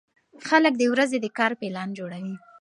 خلک د ورځې د کار پلان جوړوي